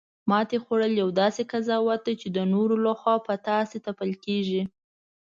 ماتې خوړل یو داسې قضاوت دی، چی د نورو لخوا په تاسې تپل کیږي